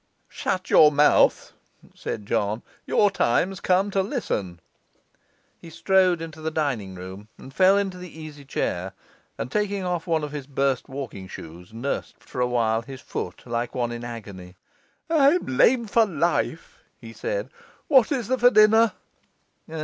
'Shut your mouth,' said John, 'your time's come to listen.' He strode into the dining room, fell into the easy chair, and taking off one of his burst walking shoes, nursed for a while his foot like one in agony. 'I'm lame for life,' he said. 'What is there for dinner?